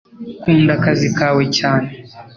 kunda akazi kawe cyane